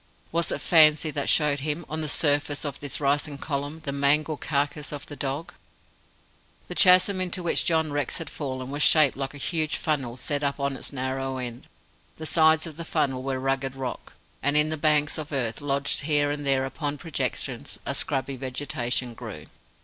Was it fancy that showed him, on the surface of the rising column, the mangled carcase of the dog? The chasm into which John Rex had fallen was shaped like a huge funnel set up on its narrow end. The sides of this funnel were rugged rock, and in the banks of earth lodged here and there upon projections, a scrubby vegetation grew.